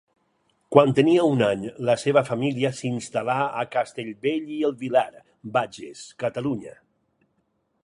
Quan tenia un any la seva família s’instal·là a Castellbell i el Vilar, Bages, Catalunya.